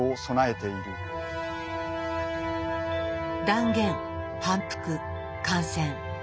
断言反復感染。